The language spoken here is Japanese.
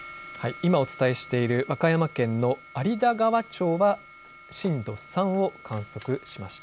今お伝えしている和歌山県の有田川町は震度３を観測しました。